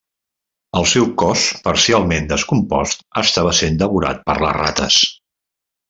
El seu cos parcialment descompost estava sent devorat per les rates.